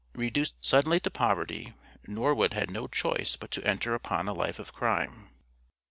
Reduced suddenly to poverty, Norwood had no choice but to enter upon a life of crime.